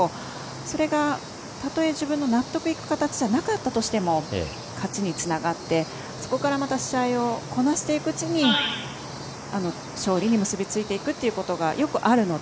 それが、たとえ自分の納得いく形じゃなかったとしても勝ちにつながってそこから、また試合をこなしていくうちに勝利に結びついていくということがよくあるので。